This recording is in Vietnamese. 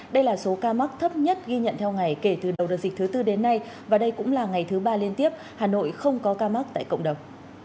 đây là số ca mắc thấp nhất ghi nhận theo ngày kể từ đầu đợt dịch thứ tư đến nay và đây cũng là ngày thứ ba liên tiếp hà nội không có ca mắc tại cộng đồng